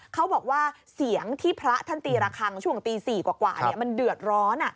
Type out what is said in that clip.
เขาบอกว่าเสียงที่พระท่านตีระคังช่วงตี๔กว่ามันเดือดร้อน